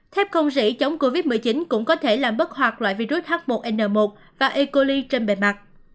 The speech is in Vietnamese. thép không rỉ chống covid một mươi chín cũng có thể làm bất hoạt loại virus h một n một và e coli trên bề mặt